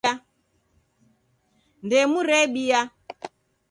Ndemu rebia.